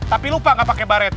tapi lupa nggak pakai baret